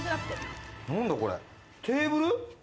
何だこれ、テーブル？